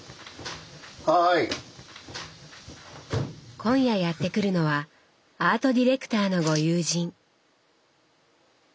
今夜やって来るのはアートディレクターのご友人。